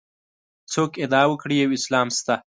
څوک ادعا وکړي یو اسلام شته.